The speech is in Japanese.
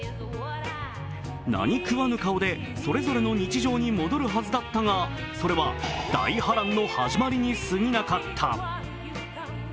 何食わぬ顔でそれぞれの日常に戻るはずだったが、それは大波乱の始まりにすぎなかった。